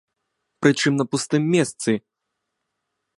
Прычым на пустым месцы.